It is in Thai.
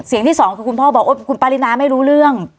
เสียงที่สองคือคุณพ่อบอกโอ๊ยคุณปรินาไม่รู้เรื่อง